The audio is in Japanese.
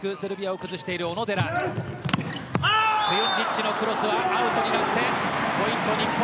クユンジッチのクロスはアウトになってポイント、日本。